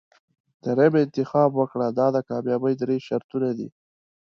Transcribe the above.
دریم انتخاب وکړه دا د کامیابۍ درې شرطونه دي.